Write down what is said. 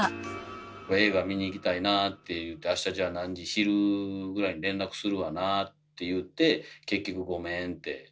映画見に行きたいなって言うてあしたじゃあ何時昼ぐらいに連絡するわなあって言って結局ごめんって。